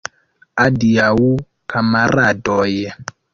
Adiaŭ, kamaradoj!